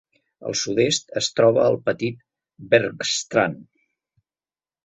Al sud-est es trobar el petit Bergstrand.